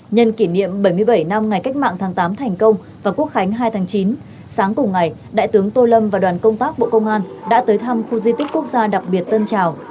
nhân kỷ niệm bảy mươi bảy năm ngày cách mạng tháng tám thành công và quốc khánh hai tháng chín sáng cùng ngày đại tướng tô lâm và đoàn công tác bộ công an đã tới thăm khu di tích quốc gia đặc biệt tân trào